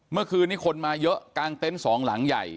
เมื่อคืนนี้คนมาเยอะกลางเต็นต์สองหลังใหญ่